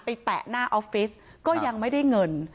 แปะหน้าออฟฟิศก็ยังไม่ได้เงิน